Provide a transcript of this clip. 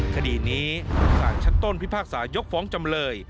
คดีนี้สารชั้นต้นพิพากษายกฟ้องจำเลย